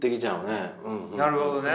なるほどね。